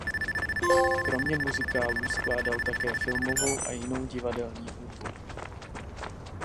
Kromě muzikálů skládal také filmovou a jinou divadelní hudbu.